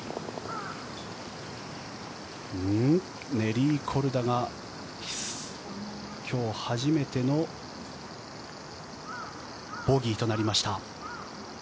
ネリー・コルダが今日初めてのボギーとなりました。